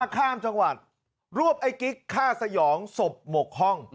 ข้ามจังหวัดรวบไอ้กิ๊กฆ่าสยองศพหมกห้อง